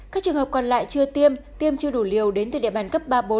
các trường hợp còn lại chưa tiêm tiêm chưa đủ liều đến từ địa bàn cấp ba bốn